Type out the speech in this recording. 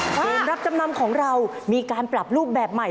รับจำนำของเรามีการปรับรูปแบบใหม่